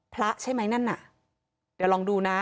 พระใช่ไหมนั่นน่ะเดี๋ยวลองดูนะ